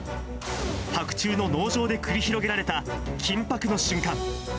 白昼の農場で繰り広げられた緊迫の瞬間。